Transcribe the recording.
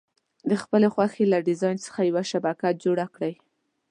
د خپلې خوښې له ډیزاین څخه یوه شبکه جوړه کړئ.